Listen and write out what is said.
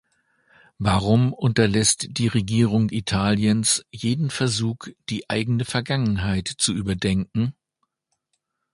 Warum unterlässt die Regierung Italiens jeden Versuch, die eigene Vergangenheit zu überdenken?